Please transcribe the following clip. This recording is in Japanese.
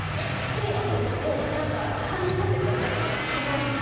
意味はそうです、感じとってください。